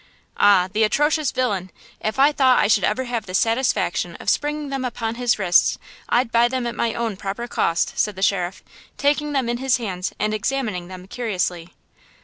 "'Ah, the atrocious villian, if I thought I should ever have the satisfaction of springing them upon his wrists, I'd buy them at my own proper cost!' said the sheriff, taking them in his hands and examining them curiously.